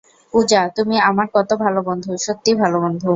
পূজা, তুমি আমার কত ভালো বন্ধু, সত্যি ভাল বন্ধু।